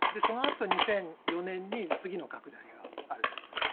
そのあと２００４年に次の拡大があるという。